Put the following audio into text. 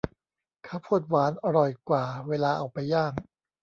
ข้าวโพดหวานอร่อยกว่าเวลาเอาไปย่าง